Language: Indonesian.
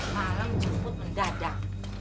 malah menjemput mendadak